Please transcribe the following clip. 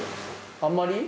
あんまり？